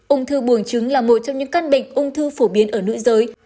ung thư buồng trứng là một trong những căn bệnh ung thư phổ biến ở nữ giới